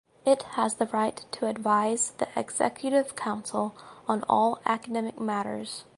It has the right to advise the executive council on all academic matters.